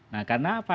nah karena apa